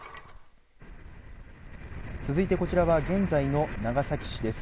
続いてこちらは現在の長崎市です。